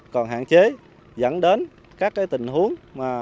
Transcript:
còn hạn chế dẫn đến các tình huống